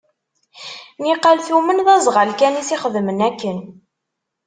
Niqal tumen d azɣal kan i as-ixedmen akken.